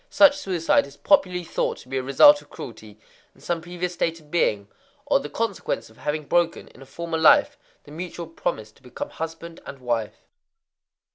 Such suicide is popularly thought to be a result of cruelty in some previous state of being, or the consequence of having broken, in a former life, the mutual promise to become husband and wife.